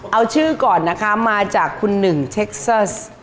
เอาชื่อก่อนนะคะมาจากคุณหนึ่งเท็กเซอร์